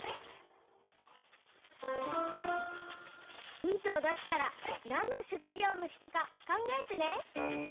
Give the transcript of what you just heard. ヒントをだすからなんのしょくぎょうのひとかかんがえてね！